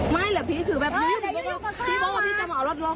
ไม่พี่ถือแบบพี่บอกว่าพี่จะมาเอารถรอก